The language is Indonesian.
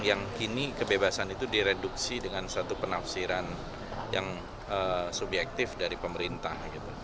yang kini kebebasan itu direduksi dengan satu penafsiran yang subjektif dari pemerintah